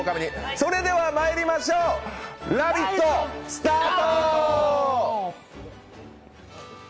それではまいりましょう、「ラヴィット！」スタート！